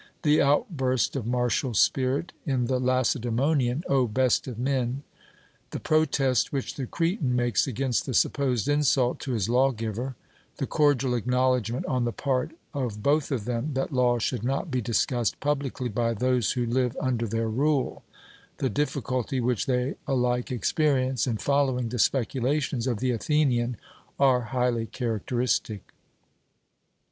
The outburst of martial spirit in the Lacedaemonian, 'O best of men'; the protest which the Cretan makes against the supposed insult to his lawgiver; the cordial acknowledgment on the part of both of them that laws should not be discussed publicly by those who live under their rule; the difficulty which they alike experience in following the speculations of the Athenian, are highly characteristic.